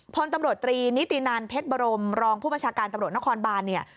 พลตำรวจตรีนิตินันเพชรบรมรองผู้บัญชาการตำรวจนครบานเนี่ย